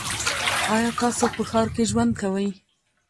ایا تاسو په ښار کې ژوند کوی؟